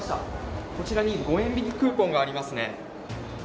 こちらに５円引きクーポンがありますね。